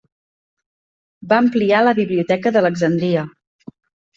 Va ampliar la biblioteca d'Alexandria.